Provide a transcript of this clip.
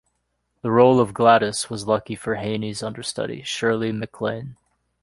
The role of Gladys was lucky for Haney's understudy, Shirley MacLaine.